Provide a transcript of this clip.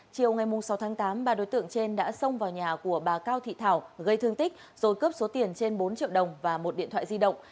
chiều ngày sáu tháng tám ba đối tượng trên đã xông vào nhà của bà cao thị thảo gây thương tích rồi cướp số tiền trên bốn triệu đồng và một điện thoại di động